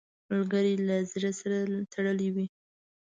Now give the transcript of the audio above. ملګری له زړه سره تړلی وي